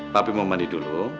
tapi mau mandi dulu